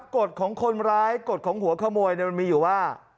กฎของคนร้ายกฎของหัวขโมยมันมีอยู่ว่า